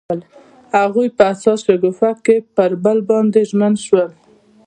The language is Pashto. هغوی په حساس شګوفه کې پر بل باندې ژمن شول.